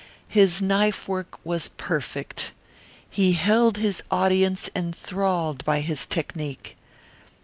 His knife work was perfect. He held his audience enthralled by his technique.